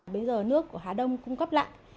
bây giờ nước của hà đông cung cấp lại